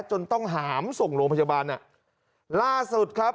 จนต้องหามส่งโรงพยาบาลอ่ะล่าสุดครับ